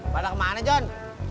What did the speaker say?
pada kemana john